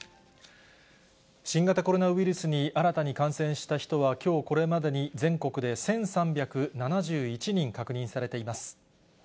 新型コロナウイルスに新たに感染した人は、きょうこれまでに全国で１３７１人確認されています。